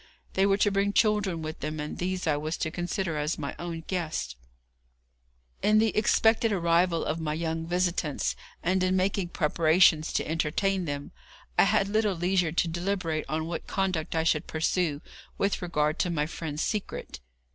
They were to bring children with them, and these I was to consider as my own guests. In the expected arrival of my young visitants, and in making preparations to entertain them, I had little leisure to deliberate on what conduct I should pursue with regard to my friend's secret.